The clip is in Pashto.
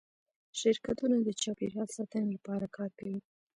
شرکتونه د چاپیریال ساتنې لپاره کار کوي؟